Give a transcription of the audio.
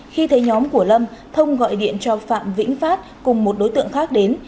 khi thấy nhóm của lâm thông gọi điện cho phạm vĩnh phát cùng một đối tượng khác đến